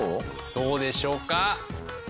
どうでしょうか？